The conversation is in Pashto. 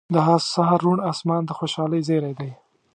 • د سهار روڼ آسمان د خوشحالۍ زیری دی.